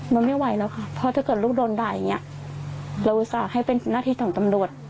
มันไม่ไหวแล้วค่ะเพราะถ้าเกิดลูกโดนด่าอย่างนี้เราอุตส่าห์ให้เป็นหน้าที่ของตำรวจ